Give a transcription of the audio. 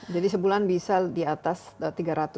jadi sebulan bisa di atas tiga ratus mm ya